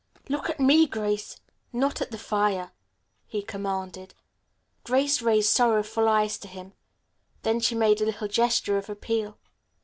"Look at me, Grace, not at the fire," he commanded. Grace raised sorrowful eyes to him. Then she made a little gesture of appeal.